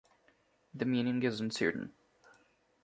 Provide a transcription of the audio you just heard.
The meaning is uncertain.